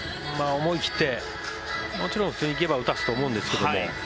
思い切って、もちろん普通にいけば打たすと思うんですけども。